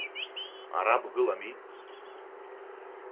Ара бгылами!